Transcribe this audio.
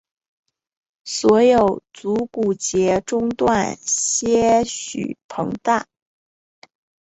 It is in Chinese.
所有足股节中段些许膨大。